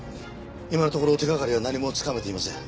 今のところ手掛かりは何もつかめていません。